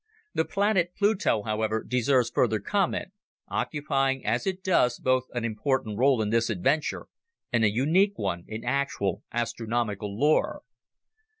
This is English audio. The planet Pluto, however, deserves further comment, occupying as it does both an important role in this adventure and a unique one in actual astronomical lore.